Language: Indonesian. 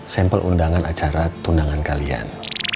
sampel undangan acara tunangan kalian